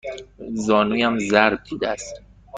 زانویم ضرب دیده است.